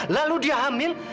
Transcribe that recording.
lalu dia hamil